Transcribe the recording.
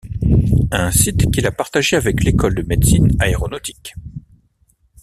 Un site qu'il a partagé avec l'École de médecine aéronautique.